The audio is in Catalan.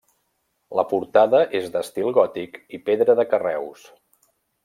La portada és d'estil gòtic i pedra de carreus.